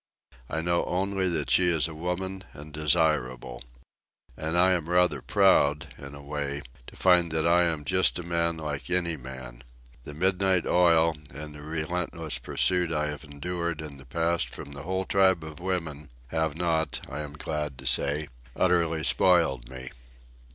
I know only that she is a woman and desirable. And I am rather proud, in a way, to find that I am just a man like any man. The midnight oil, and the relentless pursuit I have endured in the past from the whole tribe of women, have not, I am glad to say, utterly spoiled me.